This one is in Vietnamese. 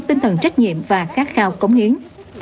tinh thần trách nhiệm và khát khao cống hiến